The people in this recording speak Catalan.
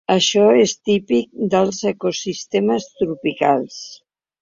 Això és típic dels ecosistemes tropicals.